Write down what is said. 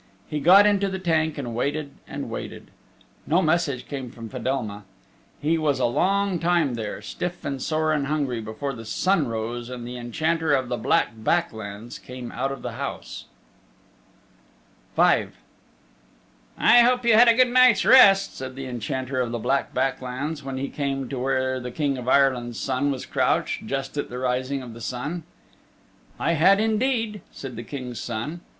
He got into the tank and waited and waited. No message came from Fedelma. He was a long time there, stiff and sore and hungry, before the sun rose and the Enchanter of the Black Back Lands came out of the house. V "I hope you had a good night's rest," said the Enchanter of the Black Back Lands, when he came to where the King of Ireland's Son was crouched, just at the rising of the sun. "I had indeed," said the King's Son.